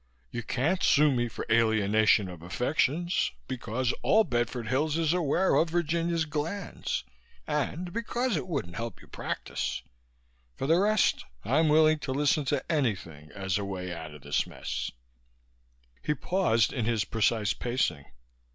You can't sue me for alienation of affections, because all Bedford Hills is aware of Virginia's glands and because it wouldn't help your practice. For the rest, I'm willing to listen to anything as a way out of this mess." He paused in his precise pacing.